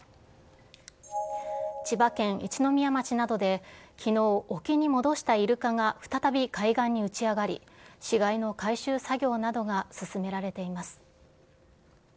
千葉県一宮町などで、きのう、沖に戻したイルカが再び海岸に打ち上がり、死骸の回収作業などが進められています。